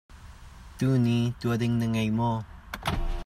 Tuni tuah ding na ngei maw?